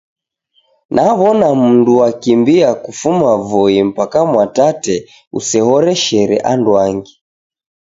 Nawona mundu wakimbia kufuma voi mpaka Mwatate usehoreshere anduangi